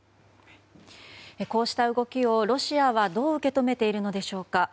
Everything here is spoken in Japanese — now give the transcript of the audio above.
こうした動きを、ロシアはどう受け止めているのでしょうか。